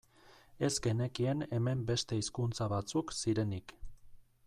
Ez genekien hemen beste hizkuntza batzuk zirenik.